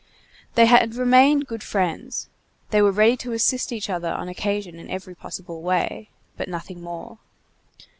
They had remained good friends; they were ready to assist each other on occasion in every possible way; but nothing more.